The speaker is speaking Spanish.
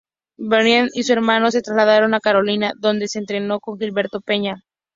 Bernier y su hermano se trasladaron a Carolina, donde se entrenó con Gilberto Peña.